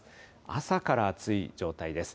朝から暑い状態です。